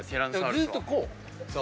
ずっとこう。